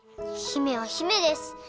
姫は姫です。